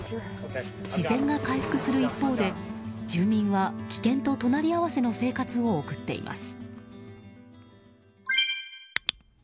自然が回復する一方で住民は危険と隣り合わせの生活を送っています。